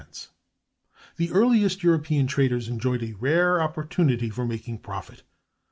The earliest European traders enjoyed a rare opportunity for making profit.